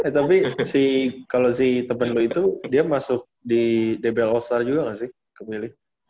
tapi kalau si temen lu itu dia masuk di dbl all star juga gak sih ke milik